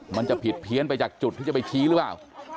มันจะผิดเพี้ยนไปจากจุดที่จะไปชี้หรือเปล่า